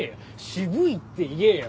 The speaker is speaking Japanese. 渋いって言えよ。